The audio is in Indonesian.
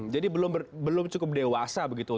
jadi belum cukup dewasa begitu